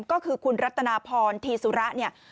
ก็คือคุณรัตนาพรธีสุระเนี่ย